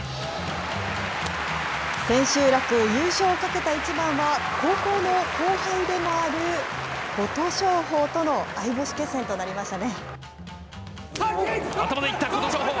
千秋楽、優勝をかけた一番は、高校の後輩でもある琴勝峰との相星決戦となりましたね。